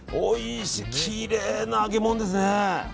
きれいな揚げ物ですね。